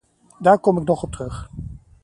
Daar kom ik nog op terug.